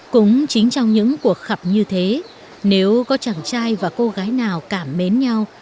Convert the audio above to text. cũng chính trong những cuộc khập như thế nếu có chàng trai và cô gái nào cảm mến nhau